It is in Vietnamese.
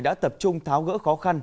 đã tập trung tháo gỡ khó khăn